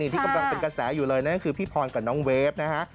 ที่กำลังเป็นกระแสอยู่เลยนั่นก็คือพี่พรกับน้องเวฟนะฮะ